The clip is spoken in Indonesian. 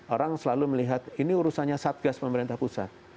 orang selalu melihat ini urusannya satgas pemerintah pusat